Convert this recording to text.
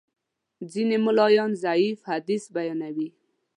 ځینې ملایان ضعیف حدیث بیانوي.